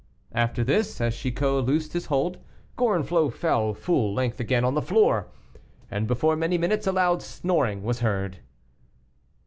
'" After this, as Chicot loosed his hold, Gorenflot fell full length again on the floor, and before many minutes a loud snoring was heard.